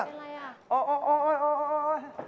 โอ๊ยโอ๊ย